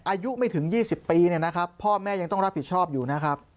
อายุไม่ถึง๒๐ปีพ่อแม่ยังต้องรับผิดชอบอยู่นะครับ